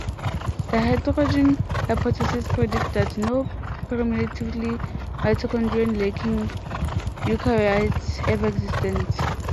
The hydrogen hypothesis predicts that no primitively mitochondrion-lacking eukaryotes ever existed.